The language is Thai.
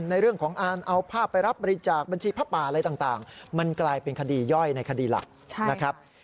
ในเรื่องของการเอาภาพไปรับบริจาคบัญชีผ้าป่าอะไรต่างมันกลายเป็นคดีย่อยในคดีหลักนะครับ